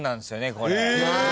これ。